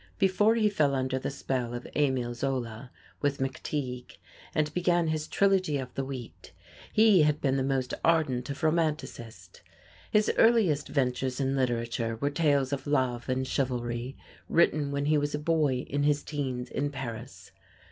Before he fell under the spell of Émile Zola, with "McTeague," and began his Trilogy of the Wheat, he had been the most ardent of romanticists. His earliest ventures in literature were tales of love and chivalry, written when he was a boy in his teens in Paris.